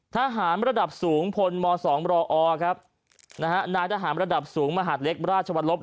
ทหารระดับสูงพมสองบรอนะฮะนานทหารระดับสูงมหาศเล็กบรรชวรรพ